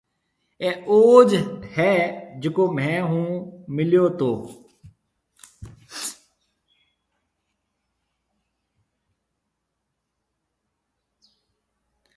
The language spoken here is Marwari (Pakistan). اَي اوج هيَ جڪو مهي هون ميليو تو۔